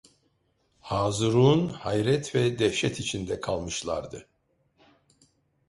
Hâzırûn hayret ve dehşet içinde kalmışlardı.